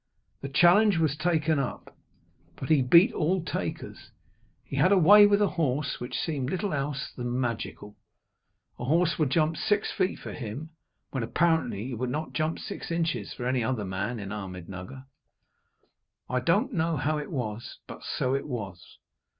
That challenge was taken up. But he beat all takers. He had a way with a horse which seemed little else than magical. A horse would jump six feet for him, when, apparently, it would not jump six inches for any other man in Ahmednugger. I don't know how it was, but so it was.